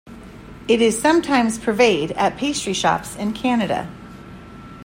It is sometimes purveyed at pastry shops in Canada.